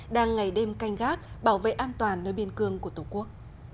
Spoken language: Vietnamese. đang ngày đêm canh gác bảo vệ an toàn nơi biên cương của tổ quốc